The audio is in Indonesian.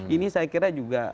ini saya kira juga